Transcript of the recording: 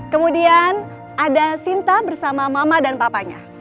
kemudian ada sinta bersama mama dan papanya